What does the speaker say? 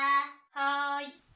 はい。